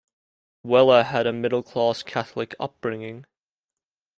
Weller had a "middle-class Catholic" upbringing.